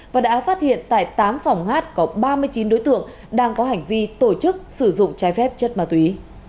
và đã phát hiện tại tám phòng ngát có ba mươi chín đối tượng đang có hành vi tổ chức sử dụng trái phép chất ma túy